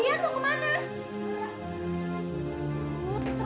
iya dia tuh kemana